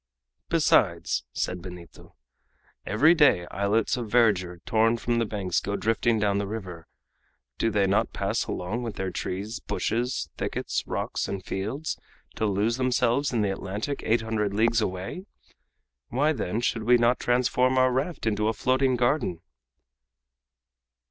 "Besides," said Benito, "every day islets of verdure, torn from the banks, go drifting down the river. Do they not pass along with their trees, bushes, thickets, rocks, and fields, to lose themselves in the Atlantic eight hundred leagues away? Why, then, should we not transform our raft into a floating garden?"